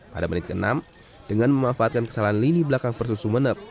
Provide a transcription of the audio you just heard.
pada menit ke enam dengan memanfaatkan kesalahan lini belakang persu sumeneb